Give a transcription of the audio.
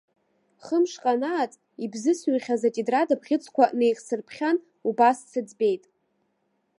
Хымшҟа анааҵ, ибзысыҩхьаз атетрад абӷьыцқәа неихсырԥхьан, убас сыӡбеит.